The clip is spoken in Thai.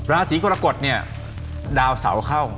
ราศีกรกฎเนี่ยดาวเสาเข้า